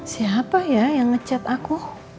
siapa ya yang ngecet aku